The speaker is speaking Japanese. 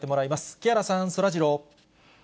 木原さん、そらジロー。